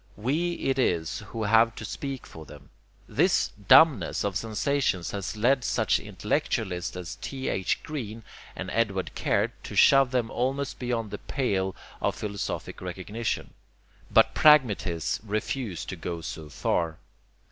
We it is who have to speak for them. This dumbness of sensations has led such intellectualists as T.H. Green and Edward Caird to shove them almost beyond the pale of philosophic recognition, but pragmatists refuse to go so far.